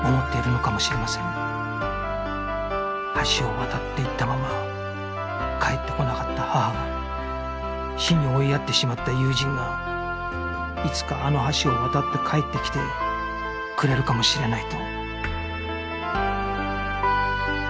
橋を渡って行ったまま帰ってこなかった母が死に追いやってしまった友人がいつかあの橋を渡って帰ってきてくれるかもしれないと